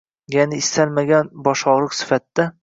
Ya’ni istalmagan boshog‘riq sifatida.